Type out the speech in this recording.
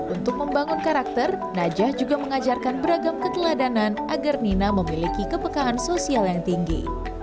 untuk membangun karakter najah juga mengajarkan beragam keteladanan agar nina memiliki kepekaan sosial yang tinggi